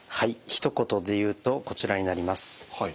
ひと言で言うとこちらになります。